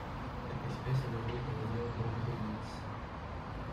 Cette espèce est nommée en l'honneur d'André Leetz.